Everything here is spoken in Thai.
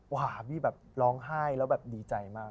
ว่าพี่แบบร้องไห้แล้วแบบดีใจมาก